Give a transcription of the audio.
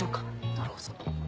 なるほど。